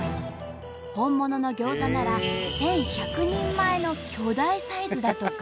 本物のギョーザなら１，１００人前の巨大サイズだとか。